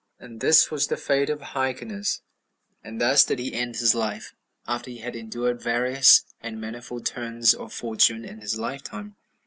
4. And this was the fate of Hyrcanus; and thus did he end his life, after he had endured various and manifold turns of fortune in his lifetime.